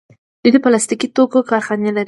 دوی د پلاستیکي توکو کارخانې لري.